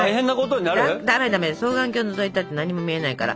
だめだめ双眼鏡のぞいたって何も見えないから。